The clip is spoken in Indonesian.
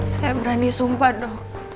saya berani sumpah dok